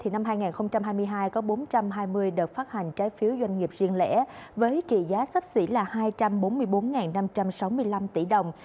năm hai nghìn hai mươi hai có bốn trăm hai mươi đợt phát hành trái phiếu doanh nghiệp riêng lẻ với trị giá sắp xỉ là hai trăm bốn mươi bốn năm trăm sáu mươi năm tỷ đồng